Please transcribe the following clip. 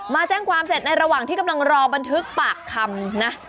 มาแจ้งความเสร็จในระหว่างที่กำลังรอบันทึกปากคำนะ